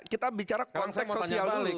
kita bicara konteks sosial politik